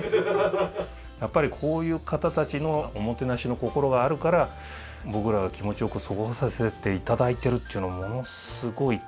やっぱりこういう方たちのおもてなしの心があるから僕らが気持ちよく過ごさせて頂いてるっていうのをものすごい感じますね。